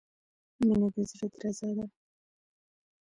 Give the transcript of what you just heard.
• مینه د زړۀ درزا ده.